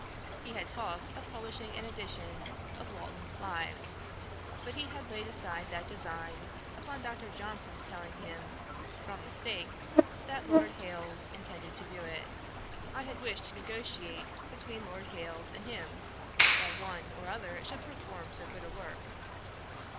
He had talked of publishing an edition of Walton's Lives, but had laid aside that design, upon Dr. Johnson's telling him, from mistake, that Lord Hailes intended to do it. I had wished to negociate between Lord Hailes and him, that one or other should perform so good a work.